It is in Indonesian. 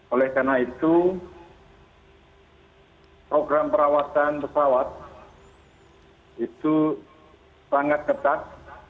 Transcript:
oleh karena itu program perawatan pesawat itu sangat ketat